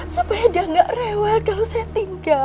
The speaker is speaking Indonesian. supaya dia nggak rewel kalau saya tinggal